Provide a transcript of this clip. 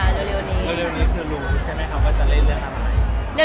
เร็วนี้เร็วนี้คือรู้ใช่ไหมครับว่าจะเล่นเรื่องอะไร